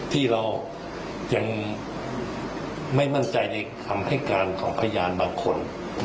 ที่เรายังไม่มั่นใจในคำให้การของพยานบางคน